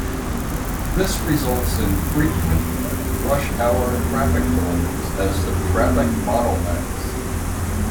This results in frequent rush hour traffic delays as the traffic bottle necks.